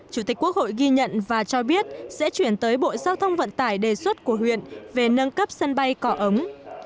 chủ tịch quốc hội ghi nhận và cho biết sẽ chuyển tới bộ giao thông vận tải đề xuất của huyện về nâng cấp sân bay cỏ ống